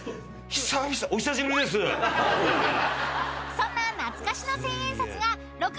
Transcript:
［そんな懐かしの千円札が６枚と］